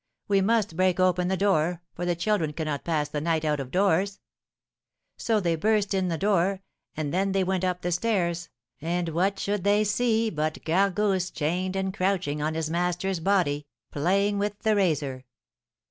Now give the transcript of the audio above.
We must break open the door, for the children cannot pass the night out of doors.' So they burst in the door, and then they went up the stairs, and what should they see but Gargousse chained and crouching on his master's body, playing with the razor!